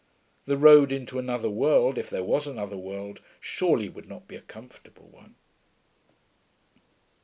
The road into another world, if there was another world, surely would not be a comfortable one....